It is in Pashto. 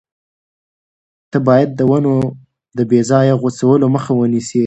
ته باید د ونو د بې ځایه غوڅولو مخه ونیسې.